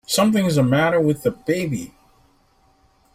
Something's the matter with the baby!